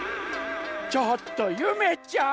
ちょっとゆめちゃん！？